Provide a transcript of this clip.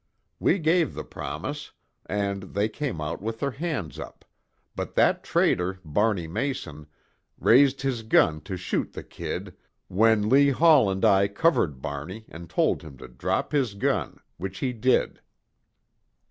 We gave the promise, and they came out with their hands up, but that traitor, Barney Mason, raised his gun to shoot the 'Kid,' when Lee Hall and I covered Barney and told him to drop his gun, which he did.